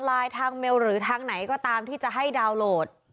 ทางเมลหรือทางไหนก็ตามที่จะให้ดาวน์โหลด